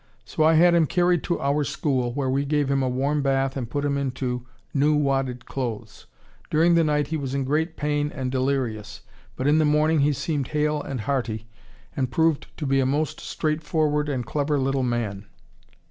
So I had him carried to our school, where we gave him a warm bath and put him into new wadded clothes. During the night he was in great pain and delirious, but in the morning he seemed hale and hearty, and proved to be a most straightforward and clever little man.